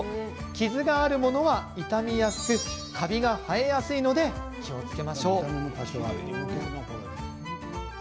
傷があるものは傷みやすくカビが生えやすいので気をつけましょう。